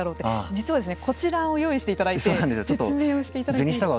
実はこちらを用意していただいて説明をしていただきたいですね。